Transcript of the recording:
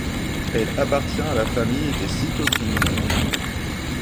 Elle appartient à la famille des cytokinines.